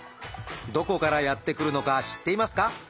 どこからやって来るのか知っていますか？